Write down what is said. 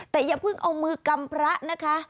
แต่อย่าเพิ่งเอามือกำพระนะคะ